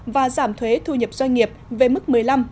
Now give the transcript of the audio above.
và giảm thuế thu nhập doanh nghiệp về mức một mươi năm một mươi bảy